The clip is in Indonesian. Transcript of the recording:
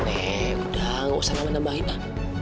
eh udah nggak usah nama tambahin pak